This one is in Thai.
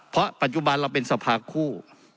เพราะปัจจุบันเราเป็นสภาคู่